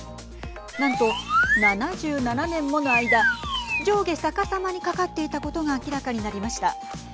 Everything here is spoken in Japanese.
なんと７７年もの間上下逆さまにかかっていたことが明らかになりました。